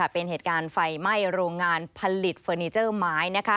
เป็นเหตุการณ์ไฟไหม้โรงงานผลิตเฟอร์นิเจอร์ไม้